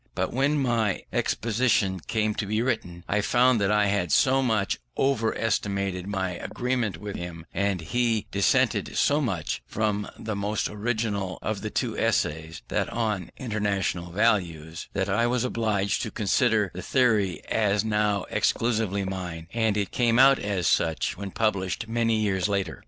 But when my exposition came to be written, I found that I had so much over estimated my agreement with him, and he dissented so much from the most original of the two Essays, that on International Values, that I was obliged to consider the theory as now exclusively mine, and it came out as such when published many years later.